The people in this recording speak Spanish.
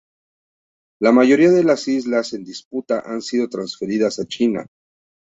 La mayoría de las islas en disputa han sido transferidas a China.